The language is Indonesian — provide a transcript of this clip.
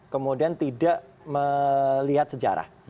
kemudian tidak melihat sejarah